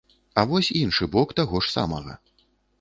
А вось іншы бок таго ж самага.